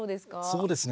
そうですね